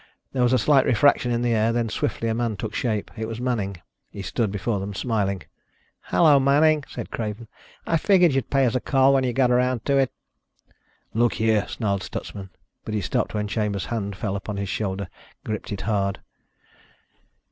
There was a slight refraction in the air; then, swiftly, a man took shape. It was Manning. He stood before them, smiling. "Hello, Manning," said Craven. "I figured you'd pay us a call when you got around to it." "Look here," snarled Stutsman, but he stopped when Chambers' hand fell upon his shoulder, gripped it hard.